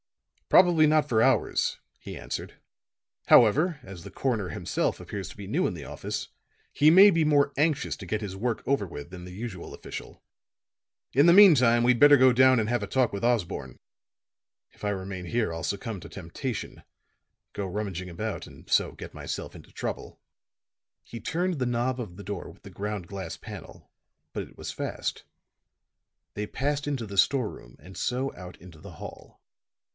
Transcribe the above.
"Probably not for hours," he answered. "However, as the coroner himself appears to be new in the office, he may be more anxious to get his work over with than the usual official. In the mean time we'd better go down and have a talk with Osborne. If I remain here I'll succumb to temptation, go rummaging about and so get myself into trouble." He turned the knob of the door with the ground glass panel; but it was fast. They passed into the store room, and so out into the hall.